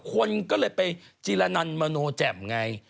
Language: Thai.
คนก็เลยไปจีรนันมโนแจ่มไง